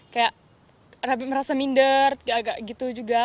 kayak merasa minder gitu juga